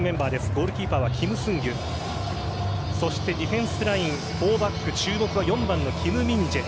ゴールキーパーはキム・スンギュディフェンスライン４バック、注目は４番のキム・ミンジェ。